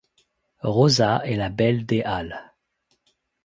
Rosa est la belle des Halles.